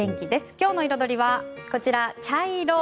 今日の彩りはこちら、茶色。